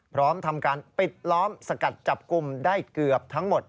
พร้อมทำการปิดล้อมสกัดจับกลุ่มได้เกือบทั้งหมด